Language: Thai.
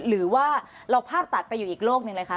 หรือว่าเราภาพตัดไปอยู่อีกโลกหนึ่งเลยคะ